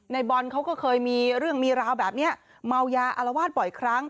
ในบอลเขาก็เคยมีเรื่องมีราวแบบนี้เมายาอารวาสบ่อยครั้ง